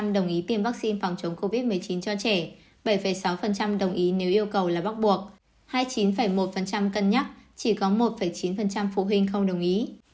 đồng ý tiêm vaccine phòng chống covid một mươi chín cho trẻ bảy sáu đồng ý nếu yêu cầu là bắt buộc hai mươi chín một cân nhắc chỉ có một chín phụ huynh không đồng ý